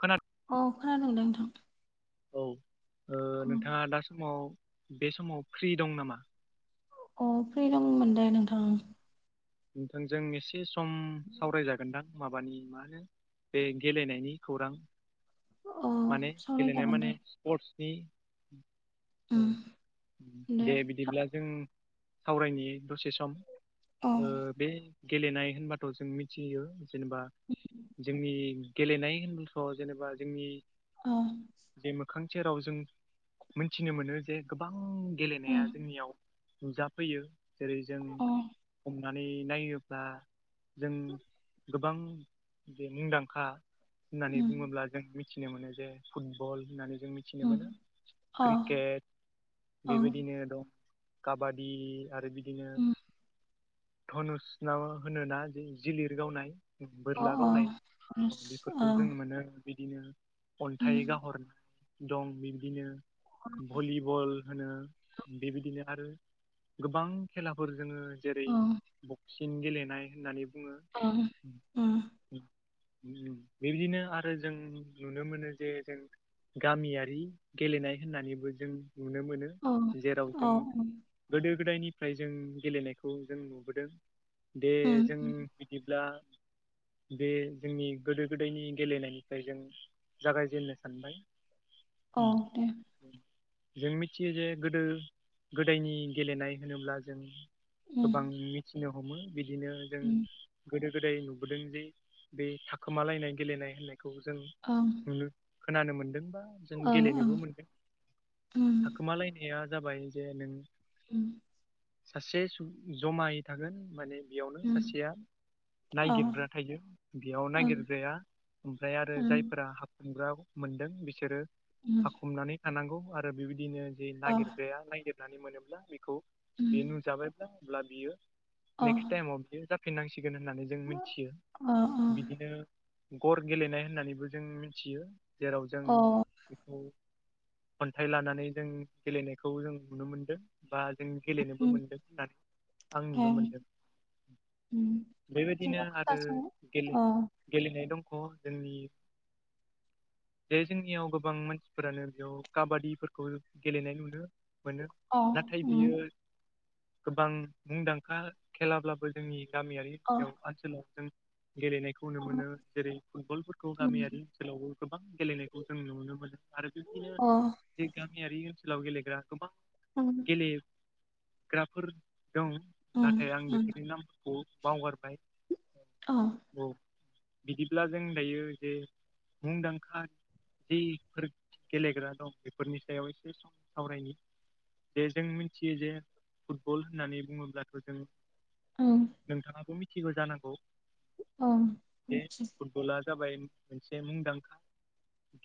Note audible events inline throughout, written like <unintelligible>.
खोनादो अ खोनादोंदा नोंथां औ अ नोंथाङा दा समाव बे समाव फ्रि दं नामा? अ फ्रि दंमोन दे नोंथां। नोंथां जों एसे सम सावराय जागोन नोंथां माबानि मा होनो बे गेलेनायनि खौरां अ माने गेलेनाया सावरायजागोन माने दे स्पर्टसनि औ उम दे बिदिब्ला जों सावरायनाय दसे सम अ बे गेलेनाय होनबाथ' जों मिथियो जेनेबा जोंनि गेलेनायोलफ्राव जेनेबा जोंनि औ जे मोखांसे रावजों मोनथिनो मोनो जे गोबां उम गेलेनाया जोंनियाव नुजाफैयो। जेरै जों अ हमनानै नायोब्ला जों गोबां बे मुंदांखा होननानै उम बुङोब्ला जों मिथिनो मोनो जे फुटबल होननानै जों मिथिनो उम मोनो अ क्रिकेट अ बेबायदिनो दं काबादि आरो बिदिनो उम धनुसनाब होनोना जिलिर गावनाय अ बोरला गावनाय बेफोरखौ ओं जों मोनो बिदिनो अन्थाइ उम गाहरनाय दं बिब्दिनो भलिबल होनो बेबायदिनो आरो गोबां खेलाफोर जोङो जेरै ओं साबसिन गेलेनाय होननानै बुङो ओं उम बेबायदिनो आरो जों नुनो मोनो जे जों गामियारि गेलेनाय होननानैबो जों नुनो मोनो औ जेराव जों औ गोदो गोदायनिफ्राय जों गेलेनायखौ जों नुबोदों दे उम जों बिदिब्ला बे जोंनि गोदो गोदायनि गेलेनायनिफ्राय जों जागायजेननो सानबाय औ दे जों मिथियो जे गोदो गोदायनि गेलेनाय होनोब्ला जों उम गोबां मिथिनो हमो बिदिनो जों उम गोदो गोदाय नुबोदों जे बे थाखोमालायनाय गेलेनाय होननायखौ जों ओं खोनानो मोनदों बा जों ओं ओं गेलेनोबो मोनदों उम थाखोमालायनो <unintelligible> जाबाय जे नों उम सासे जमायै थागोन माने बेयावनो उम सासेया औ नायागिरग्रा थायो बेयाव ओं नागिरग्राया ओमफ्राय आरो उम जायफोरा मोनग्रा मोनदों बिसोरो उम हाखुमनानै थानांगौ आरो बेबायदिनो जे अ नागिरग्राया नागिरनानै मोनोब्ला बेखौ उम बेयो नुजाबायब्ला अब्ला बियो नेक्स्ट टाइमाव बियो जाफिननांसिगोन होननानै जों मिथियो बिदिनो गर गेलेनाय होननानैबो जों मिथियो जेराव जों बेखौ अन्थाइ लानानै जों गेलेनायखौ जों नुनो मोनदों। बा जों गेलेनोबो मोनदों होननानै आं नुनो मोनदों। बेबायदिनो आरो गेलेनाय दंख' जोंनि बेे जोंनियाव गोबां मानसिफोरानो बेयाव काबादिफोरखौ गेलेनाय नुनो मोनो नाथाय बियो गोबां मुंदांखा खेलाब्लाबो जोंनि गामियारि ओनसोलाव ओनसोलाव जों गेलेनायखौ नुनो मोनो जेरै फुटबलफोरखौ गामियारि ओनसोलावबो गोबां गेलेनायखौ जों नुनो मोनो आरो बिबदिनो जे गामियारि ओनसोलाव गेलेग्रा गोबां गेलेयो। ग्राफोर दं नाथाय आं बेफोरनि नामफोरखौ बावगारबाय। औ औ बिदिब्ला जों दायो जे मुंदांखा जिफोर गेलेग्रा दं बेफोरनि सायाव एसे सावरायनायनि जे जों मिथियो जे फुटबल होननानै बुङोब्लाथ' जों नोंथाङाबो मिथिगौ जानांगौ? औ गला जाबाय मोनसे मुंदांखा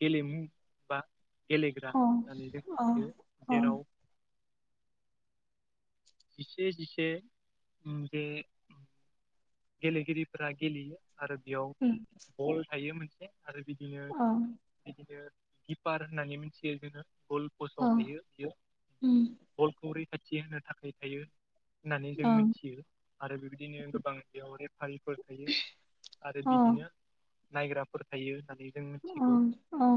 गेलेमु बा गेलेग्रा होननानै <unintelligible> जेराव जिसे जिसे ओम बे गेलेगिरिफोरा गेलेयो आरो बेयाव बल थायो मोनसे आरो बिदिनो बिदिनो किपार होननानै मिथियो जोङो गल फसआव थायो बियो बलखौ रैखाथि होनो थाखाय थायो। होननानै जों मिथियो आरो बेबायदिनो गोबां बेयावरि फारिफोर थायो आरो बिदिनो नायग्राफोर थायो होननानै जों मिथिगौ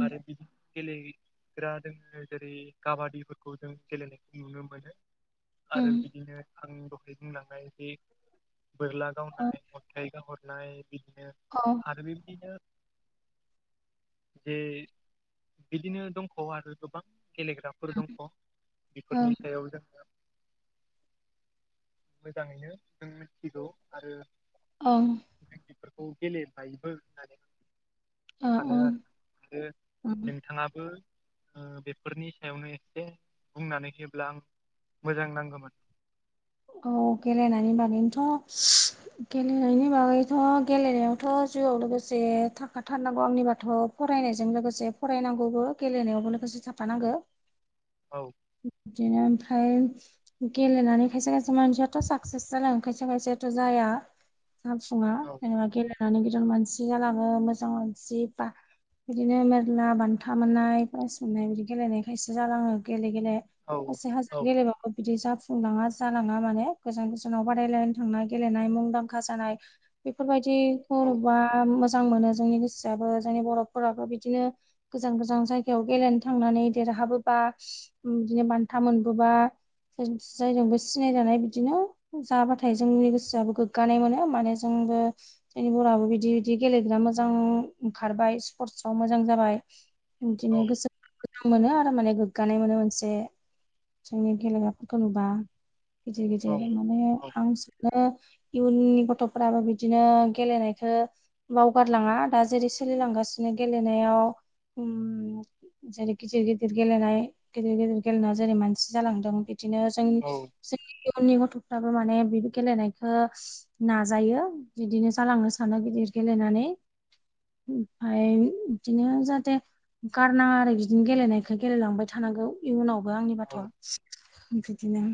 आरो बिदि गेलेग्रा दोङो जेरै काबादिफोरखौ जों गेलेनायखौ नुनो मोनो। आरो बिदिनो आं दहाय बुंलांनाय बे बोरला गावनाय अन्थाइ गहरनाय बिदिनो औ आरो बि बिदिनो जे बिदिनो दंख' आरो गोबां गेलेग्रा फोर दंख' बेफोरनि सायाव जोङो मोजाङैनो जों मिथिगौ आरो औ जोंनिफोरखौ गेले बाइबल होन सानो आरो आरो नोंथाङाबो बेफोरनि सायावनो एसे बुंनानै होयोब्ला आं मोजां नांगौमोन। औ गेलेनायनि बागैनोथ' गेलेनायनि बागैथ' गेलेनायावथ' जिउआव लोगोसे थाखाथारनांगौ आंनि बाथ' फरायनायजों लोगोसे फरायनांगौबो गेलेनायावबो लोगोसे थाफानांगौ। औ बिदिनो ओमफ्राय गेलेनानै खायसे खायसे मानसियाथ' साक्सेस जलाङ खायसे खायसेथ' जाया। जाफुङा औ जेनेबा गेलेनानै गिदिर मानसि जालाङो मोजां मानसि बा बिदिनो मेरला बान्था मोननाय प्राइस मोननाय बिदि गेलेनाय खायसेो जालाङो गेले औ से औ हाजार गेलेब बिदि जाफुंनाङा जानाङा माने गोजान गोजानाव बादायलायनो थांनाय गेलेनाय मुंदांखा जानाय। औ बेफोरबायदिखौबा मोजां मोनो जोंनि गोसोआाबबो जोंनि बर'फोराबो बिदिनो। गोजान गोजान जायगायाव गेलेनो थांनानै देरहाबोबा बिदिनो बान्था मोनबोबा सोर फायजोंबो सिनायजानाय बिदिनो जाबाथाय जोंनि गोसोआबो गोग्गानाय मोनो माने जोंबो। जोंनि बर'आो बिदि बिदि गेलेग्रा मोजां ओंखारबाय स्पर्टसाव मोजां जाबाय। औ बिदिनो गोसो मोनो आरो माने गोग्गानाय मोनो मोनसे माखासे जोंनि गेलेग्राफोरखौ नुबा गिदिर औ गिदिर माने आं इयुननि गथ'फोराबो बिदिनो गेलेनायखौ बावगारलाङा दा जेरै सोलिलांगासिनो गेलेनायाव जेरै गिदिर गिदिर गेलेनाय गिदिर गिदिर गेलेनाय जेरै मानसि जालांदों बिदिनो जोंनि औ जोंनि इयुननि गथ'फ्राबो माने बिबो गेलेनायखौ नाजायो बिदिनो जालांनो सानो गिदिर गेलेनानै ओमफफ्राय बिदिनो जाहाथे गारनाङा आरो बिदिनो गेलेनायखौ गेलेलांबाय। थानांगौ इयुनावबो आंनि बाथ' औ बिदिनो।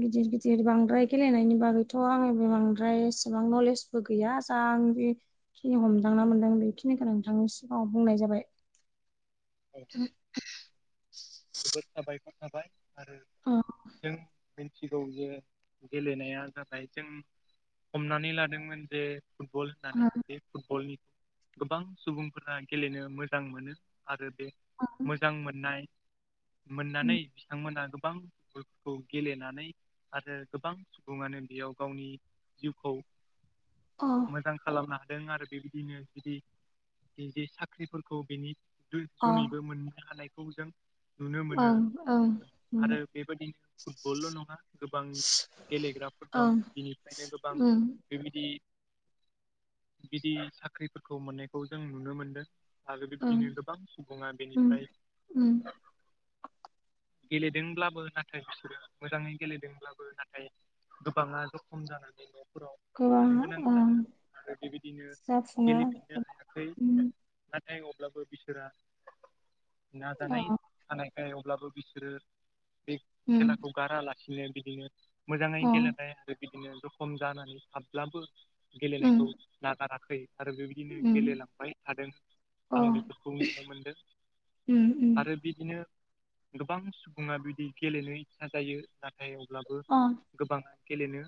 गिदिर गिदिर बांद्राय गेलेनायनि बागैथ' आङो बे बांद्राय एसेबां नलेज बो गैया जां जिखिनि हमदांना मोनदां बेखिनिखौ नोंथांनि सिगाङाव बुंनाय जाबाय। <inaudible> जोबोर साबायखर साबाय आरो अ जों। मिथिगौ जे गेलेनाया जाबाय जों हमनानै लादोंमोन जे फुटबल अ होननानै। फुटबलनिखौ गोबां सुबुंफोरा गेलेनो मोजां मोनो आरो। मोजां मोननाय मोननानै बिथांमोना गोबां खौ गेलेनानै आरो गोबां सुबुङानो बेयाव गावनि जिउखौ। अ मोजां खालामनो हादों आरो बेबायदिनो जुदि जे साख्रिफोरखौ बेनि जुनैबो मोननो हानायखौ जों नुनो मोनो औ औ। आरो बेबायदिनो फुटबलल' नङा गोबां गेलेग्राफोर दं ओं बिनिफ्रायनो गोबां उम बेबायदि बिदि साख्रिफोरखौ मोननायखौ जों नुनो मोनदों आरो ओं बिब्दिनो गोबां सुबुङा उम बेनिफ्राय। उम। गेलेदोंब्लाबो नाथाय बिसोरो मोजाङै गेलेदोंब्लाबो नाथाय। गोबाङा जखम जानानै न'फोराव गोबां थानो गोनां ओं जादों आरो बेबायदिनो जाफुङो गेलेफिननो हायाखै। उम नाथाय अब्लाबो बिसोरा नाजानाय अ थानायखाय अब्लाबो। बिसोरो बे उम खेलाखौ गारालासिनो बिदिनो मोजाङै अ गेलेनाय आरो बिदिनो रखम जानानै थाबब्लाबो उम गेलेनायखौ नागाराखै आरो बेबायदिनो उम गेलेलांबाय थादों अ आं बेफोरखौ नुनो मोनदों। उम उम आरो बिदिनो गोबां सुबुङा बिदि गेलेनो इसा जायो नाथाय अब्लाबो। अ गोबाङा गेलेनो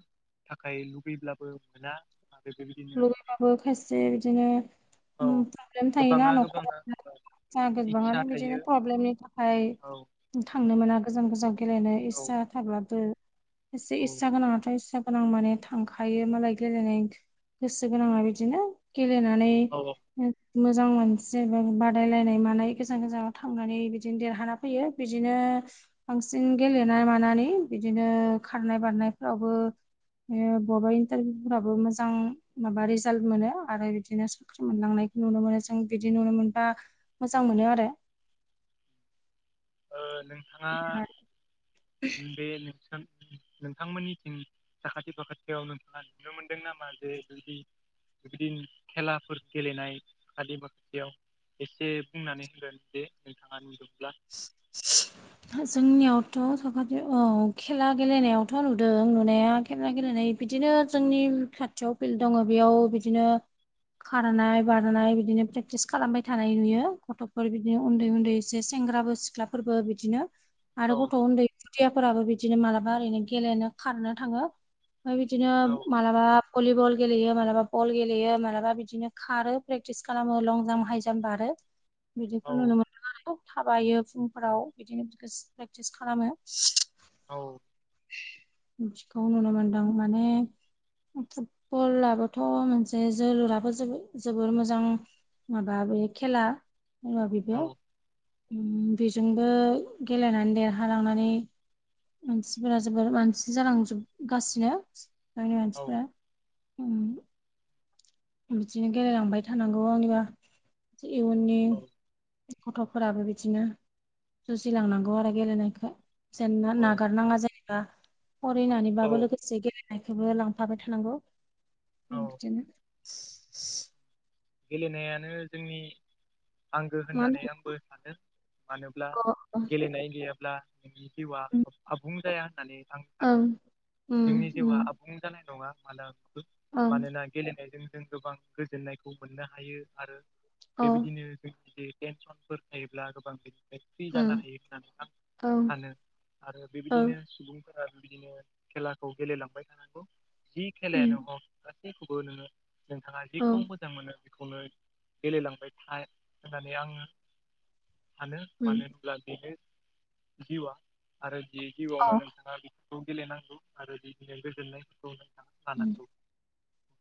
थाखाय लुबैब्लाबो मोना आ लगैबाबो खायसे बिदिनो औ प्रब्लेम थायोना गोबाङा गोबाङा न'खराव सगोनज बा इस्सा ब बिजदिनो थायो प्रब्लेम न ओमफाय औ थांनो मोना गोजान गोजान गेलेनो औ इस्सा थाब्लाबो इस औ इस्सा गोनाङाथ' इस्सा गोनां माने थांखायो मालाय गेलेनाय गोसो गोनाङा बिदिनो गेलेनानै औ ओ मोजां मानसि बादायलायनाय मानाय गोजान गोजानाव थांनानै बिदिनो देरहाना फैयो बिदिनो बांसिन गेलेनाय मानानै बिदिनो खारनाय बारनायफ्रावबो बबेबा इन्टारभिउफोराबो मोजां माबा रिजाल्ट मोनो आरो बिदिनो साख्रि मोनलांनायखौ नुनो मोनो जों बिदि नुनो मोनबा मोजां मोनो आरो नोंथाङा बे नोंस नोंथांमोननिथिं साखाथि फाखाथियाव नोंथाङा नुनो मोनदों नामा जे बिदि बिबायदिनो खेलाफोर गेलेनाय <unintelligible> याव एसे बुंनानै होदो दे नोंथाङा नुदोंब्ला जोंनियावथ' साखाथियाव औ खेला गेलेनायावथ' नुदों नुनाया खेला गेलेनाय बिदिनो जोंनि खाथियाव फिल्ड दङ' बेयाव बिदिनो खारनाय बारनाय बिदिनो प्रेक्टिस खालामबाय थानाय नुयो गथ'फोर बिदिनो उन्दै उन्दै एसे सेंग्राबो सिख्लाफोरबो बिदिनो औ आरो गथ' उन्दै खुदियाफोराबो बिदिनो मालाबा ओरैनो गेलेनो खारनो थाङो ओमफ्राय बिदिनो औ मालाबा बा भलिबल गेलेयो मालाबा बल गेलेयो मालाबा बिदिनो खारो प्रेटिस खालामो लं जाम हाय जाम बारो बिदिखौ नुनो औ मोनो। थाबायो फुंफोराव बिदिनो बि प्रेक्टिस खालामो औ बिखौ नुनो मोनदों माने फुटबलाबोथ' मोनसे जोलुराबो जोबोर मोजां माबा बे खेला बुङो बेखौ औ बेजोंबो गेलेनानै देरहालांनानै मानसिफोरा जोबोर मानसि जालांजोबगासिनो जोंनि औ मानसिफोरा बिदिनो गेलेलांबाय थानांगौ आंनिबा इयुननि औ गथ'फोराबो बिदिनो जुजिलांनांगौ आरो गेलेनायखौ जेनना औ नागारनाङा जेनेबा औ फरायनानैबाबो लोगोसे से गेलेनायखौबो लांफाबाय थानांगौ औ बिदिनो गेलेनायानो जोंनि आंगो मा होननानै होनो आंबो सानो मानोब्ला गेलेनाय गैयाब्ला नोंनि जिउआ आबुं जाया होननानै आं ओं उम जोंनि जिउआ उम आबुं जानाय नङा मानो ओं मानोना गेलेनायजों जों गोबां गोजोन्नायखौ मोननो हायो आरो औ बेबायदिनो जोंनि जे टेनसनफोर थायोब्ला गोबां बिदि फ्रि जानो उम हायो होननानै आं ओं सानो आरो ओं बेबायदिनो सुबुं फोरा बिदिनो खेलाखौ गेलेलांबाय थानांगौ जि उम खेलायानो हक गासैखौबो नोङो नोंथाङा औ जेखौ मोजां मोजां मोनो बेखौनो गेलेलांबाय था होननानै आङो सानो मानो उम होनोब्ला बेनो जिउआ आरो बे अ जिउआवनो नोंथाङा खौ गेलेनांगौ आरो बिदिनो गोजोननायफोरखौ नोंथाङा उम लानांगौ।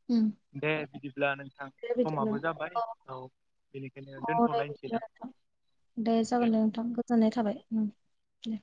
उम दे बिदिब्ला नोंथां दे बिदिब्ला समाबो जाबाय औ बेनिखायनो औ दे बिदिब्ला दोन्थ'लायसैदां नोंथां दे जागोन दे नोंथां गोजोननाय थाबाय। दे